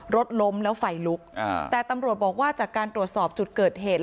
รถล้มแล้วไฟลุกแต่ตำรวจบอกว่าจากการตรวจสอบจุดเกิดเหตุ